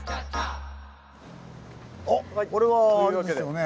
あっこれはあれですよね。